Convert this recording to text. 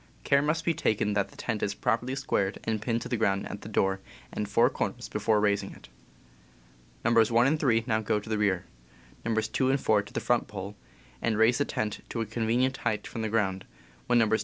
Care must be taken that the tent is properly squared and pinned to the ground at the door and four corners before raising it. Nos. 1 and 3 now go to the rear, Nos. 2 and 4 to the front pole, and raise the tent to a convenient height from the ground, when Nos.